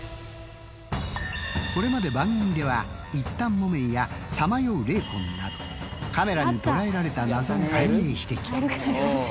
これまで番組ではいったんもめんやさまよう霊魂などカメラに捉えられた謎を解明してきた。